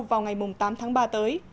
vào ngày tám tháng ba tới